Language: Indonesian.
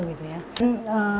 yang keempat vaksin hpv